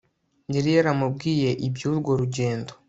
yari yaramubwiye iby'urwo rugendo